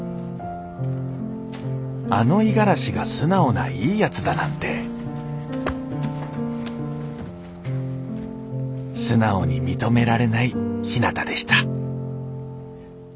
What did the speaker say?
あの五十嵐が素直ないいやつだなんて素直に認められないひなたでした